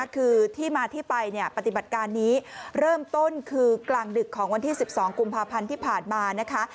คือที่มาที่ไปปฏิบัติการนี้เริ่มต้นคือกลางดึกของวันที่๑๒กุมภาพันธ์ที่ผ่านมานะคะ